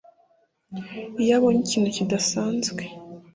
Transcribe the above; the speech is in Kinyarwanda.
Iyo abonye ikintu kidasanzwe